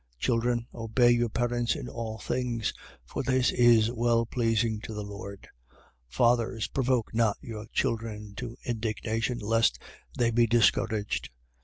Children, obey your parents in all things: for this is well pleasing to the Lord. 3:21. Fathers, provoke not your children to indignation, lest they be discouraged.